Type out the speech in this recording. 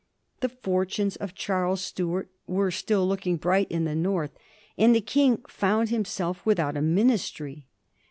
The fortunes of Charles Stuart were still look ing bright in the north, and the King found himself with out a Ministry.